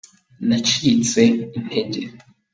nacitse intege.